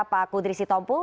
pak kudri sitompul